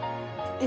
え